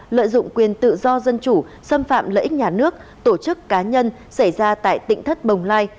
lợi dụng quyền tự do dân chủ xâm phạm lợi ích nhà nước tổ chức cá nhân xảy ra tại tỉnh thất bồng lai